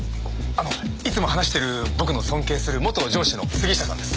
あのいつも話してる僕の尊敬する元上司の杉下さんです。